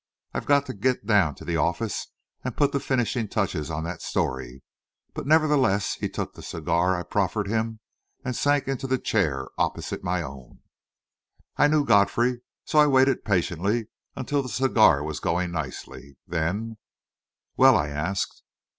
"I've got to get down to the office and put the finishing touches on that story;" but nevertheless he took the cigar I proffered him and sank into the chair opposite my own. I knew Godfrey, so I waited patiently until the cigar was going nicely, then "Well?" I asked.